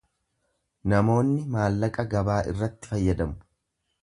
Namoonni maallaqa gabaa irratti fayyadamu.